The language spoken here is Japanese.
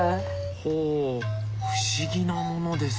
ほう不思議なものですねこれは。